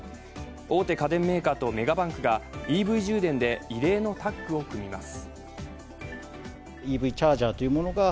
大手家電メーカーとメガバンクがＥＶ充電で異例のタッグを組みます。